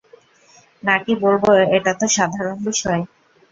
নাকি বলব এটাতো সাধারণ বিষয়?